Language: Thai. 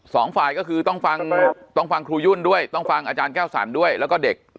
สองฝ่ายก็คือต้องฟังต้องฟังครูยุ่นด้วยต้องฟังอาจารย์แก้วสรรด้วยแล้วก็เด็ก